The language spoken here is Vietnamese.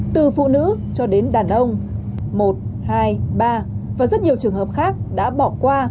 từ phụ nữ cho đến đàn ông một hai ba và rất nhiều trường hợp khác đã bỏ qua